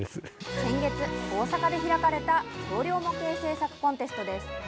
先月、大阪で開かれた橋梁模型製作コンテストです。